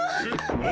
え！？